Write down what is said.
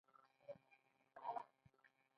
ارواښاد محمد صديق پسرلی نن زموږ په منځ کې نشته.